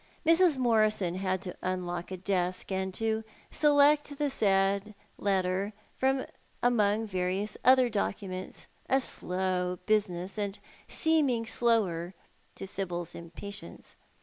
Mrs. Morison had to unlock a desk, and to select the said letter from among various other documents, a slow business, and seeming slower to Sibyl's impatience.